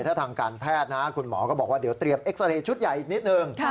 ถ้าทางการแพทย์นะคุณหมอก็บอกว่าเดี๋ยวเตรียมเอ็กซาเรย์ชุดใหญ่อีกนิดนึง